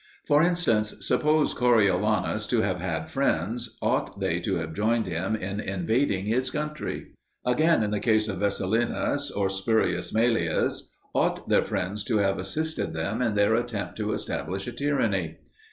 For instance: suppose Coriolanus to have had friends, ought they to have joined him in invading his country? Again, in the case of Vecellinus or Spurius Maelius, ought their friends to have assisted them in their attempt to establish a tyranny?